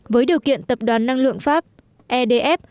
với điều kiện tập đoàn năng lượng pháp edf